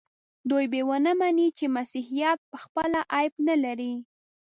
دوی به ونه مني چې مسیحیت پخپله عیب نه لري.